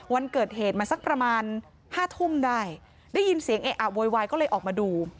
วันเกิดเหตุมันสักประมาณห้าทุ่มได้ได้ยินเสียงเอะอะโวยวายก็เลยออกมาดู